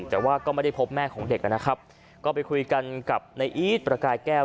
แต่ว่าก็ไม่ได้พบแม่ของเด็กนะครับก็ไปคุยกันกับในอีทประกายแก้ว